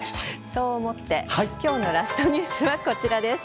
そう思って今日のラストニュースはこちらです。